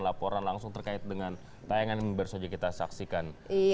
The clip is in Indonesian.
laporan langsung terkait dengan tayangan yang baru saja kita saksikan